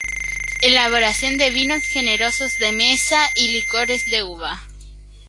Elaboración de vinos generosos de mesa y licores de uva.